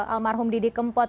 almarhum didi kempot